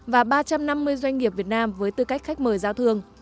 và ba trăm năm mươi doanh nghiệp việt nam với tư cách khách mời giao thương